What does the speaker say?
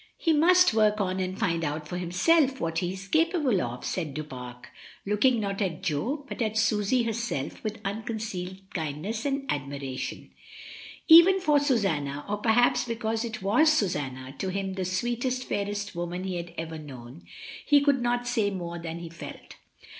"He must work on and find out for himself what he is capable of," said Du Pare, looking not at Jo but at Susy herself with unconcealed kindness and admiration. Even for Susanna, or perhaps because it was Susanna (to him the sweetest, fairest woman he had ever known), he could not say more than he felt 7' lOO MRS. DYMOND.